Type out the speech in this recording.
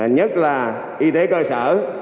nhất là y tế cơ sở